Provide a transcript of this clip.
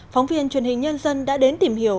phóng viên truyền hình nhân dân đã đến tìm hiểu